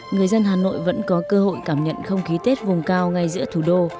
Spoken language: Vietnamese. người dân hà nội vẫn có cơ hội cảm nhận không khí tết vùng cao ngay giữa thủ đô